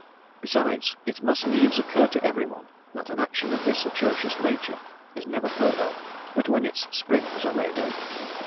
Besides, it must needs occur to every one, that an action of this atrocious nature is never heard of, but when its springs are laid open.